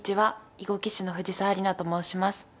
囲碁棋士の藤沢里菜と申します。